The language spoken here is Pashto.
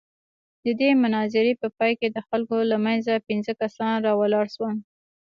د دې مناظرې په پاى کښې د خلقو له منځه پينځه کسان راولاړ سول.